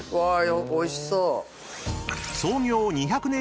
おいしそう。